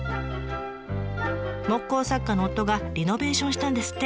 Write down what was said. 木工作家の夫がリノベーションしたんですって。